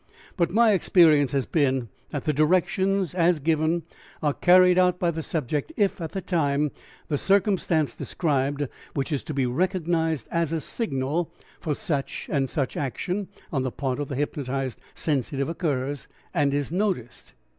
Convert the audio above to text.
"But my experience has been that the directions, as given, are carried out by the subject if, at the time, the circumstance described, which is to be recognized as a signal for such and such action on the part of the hypnotized sensitive, occurs and is noticed.